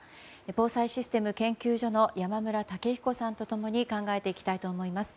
防災システム研究所の山村武彦さんと共に考えていきたいと思います。